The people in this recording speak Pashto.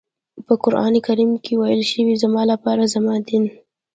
په قرآن کریم کې ويل شوي زما لپاره زما دین.